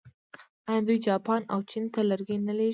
آیا دوی جاپان او چین ته لرګي نه لیږي؟